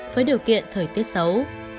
với điều kiện thời tiết xấu